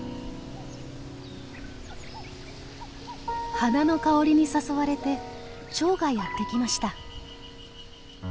花の香りに誘われてチョウがやって来ました。